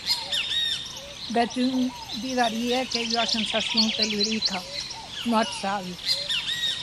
Bèth un diderie qu'ei ua sensacion tellurica, non ac sabi.